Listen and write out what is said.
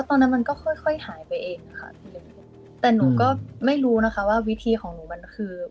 มันก็ค่อยค่อยหายไปเองค่ะแต่หนูก็ไม่รู้นะคะว่าวิธีของหนูมันคือ